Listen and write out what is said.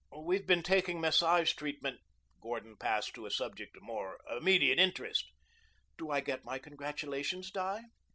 "We've been taking massage treatment." Gordon passed to a subject of more immediate interest. "Do I get my congratulations, Di?"